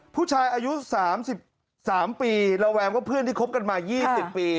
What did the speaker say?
ผู้ชายอายุสามสิบสามปีแล้วแวมว่าเพื่อนที่คบกันมายี่สิบปี